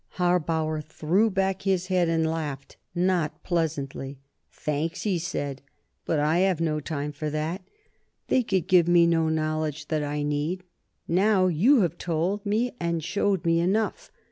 Harbauer threw back his head and laughed not pleasantly. "Thanks!" he said. "But I have no time for that. They could give me no knowledge that I need, now; you have told me and showed me enough.